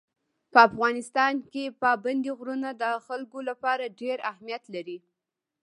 په افغانستان کې پابندي غرونه د خلکو لپاره ډېر اهمیت لري.